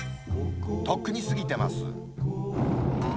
とっくに過ぎてます。